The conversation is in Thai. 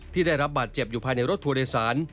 ได้รับบาดเจ็บอยู่ภายในรถทัวร์โดยสาร